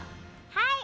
はい！